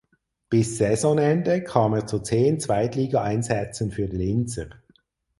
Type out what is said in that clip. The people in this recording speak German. Bis Saisonende kam er zu zehn Zweitligaeinsätzen für die Linzer.